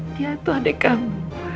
dia itu adik kamu